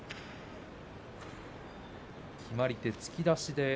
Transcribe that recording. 決まり手は突き出しです。